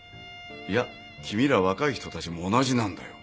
いや君ら若い人たちも同じなんだよ。